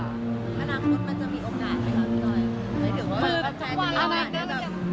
อนาคตมันจะมีโอกาสไว้แล้วไม่ได้ค่ะ